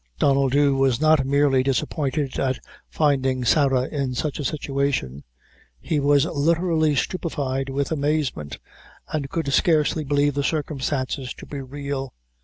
Donnel Dhu was not merely disappointed at finding Sarah in such a situation; he was literally stupefied with amazement, and could scarcely believe the circumstances to be real.